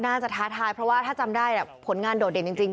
ท้าทายเพราะว่าถ้าจำได้ผลงานโดดเด่นจริง